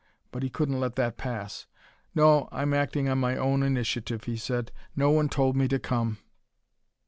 But he couldn't let that pass. "No, I'm acting only on my own initiative," he said. "No one told me to come."